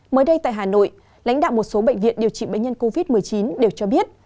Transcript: mới đây tại hà nội lãnh đạo một số bệnh viện điều trị bệnh nhân covid một mươi chín đều cho biết